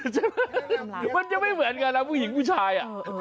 ใช่ไหมมันยังไม่เหมือนกันนะผู้หญิงผู้ชาย